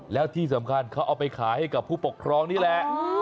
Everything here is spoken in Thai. แล้วที่สำคัญเขาเอาไปขายให้กับผู้ปกครองนี่แหละ